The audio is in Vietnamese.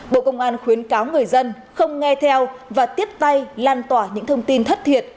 bộ công an khuyến cáo người dân không nghe theo và tiếp tay lan tỏa những thông tin thất thiệt